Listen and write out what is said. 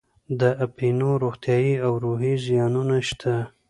د اپینو روغتیایي او روحي زیانونه شته.